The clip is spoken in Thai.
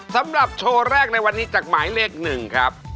สำหรับโชว์แรกในวันนี้จากหมายเลข๑ครับ